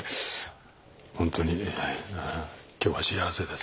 ほんとに今日は幸せです。